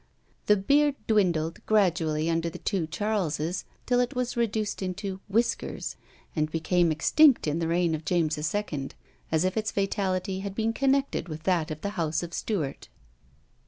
The beard dwindled gradually under the two Charleses, till it was reduced into whiskers, and became extinct in the reign of James II., as if its fatality had been connected with that of the house of Stuart.